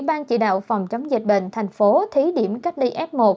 ban chỉ đạo phòng chống dịch bệnh tp thí điểm cách ly f một